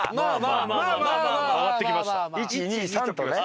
「１」「２」「３」とね。